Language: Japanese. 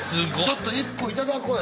「ちょっと１個いただこうや」